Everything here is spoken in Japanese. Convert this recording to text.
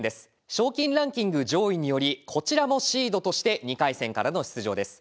賞金ランキング上位によりこちらもシードとして２回戦からの出場です。